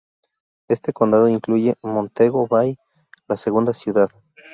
Este condado incluye Montego Bay, la segunda ciudad.